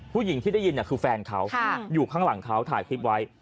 ผู้หญิงที่ได้ยินคือแฟนเขาอยู่ข้างหลังเขาถ่ายคลิปไว้